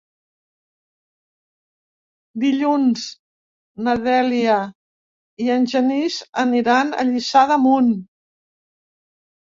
Dilluns na Dèlia i en Genís aniran a Lliçà d'Amunt.